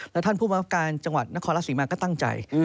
แล้วท่านผู้บังคับการจังหวัดนครรัฐศรีมาก็ตั้งใจ